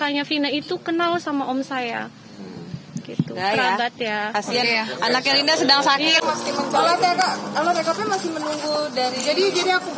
emang emang datang kebetulan kakaknya fina itu kenal sama om saya gitu